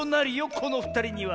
このふたりには。